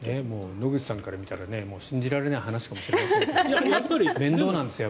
野口さんから見たら信じられない話かもしれませんが面倒なんですよ